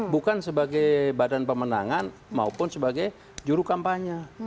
bukan sebagai badan pemenangan maupun sebagai juru kampanye